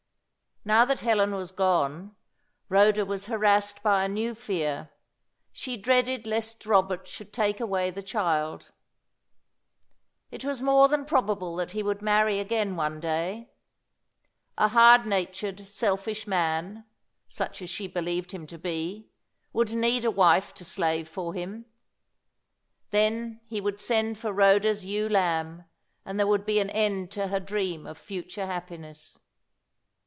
Now that Helen was gone, Rhoda was harassed by a new fear. She dreaded lest Robert should take away the child. It was more than probable that he would marry again one day. A hard natured, selfish man such as she believed him to be would need a wife to slave for him. Then he would send for Rhoda's ewe lamb, and there would be an end to her dream of future happiness.